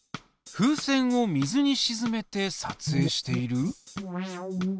風船を水にしずめてさつえいしている？